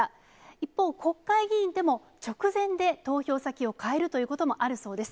一方、国会議員でも、直前で投票先を変えるということもあるそうです。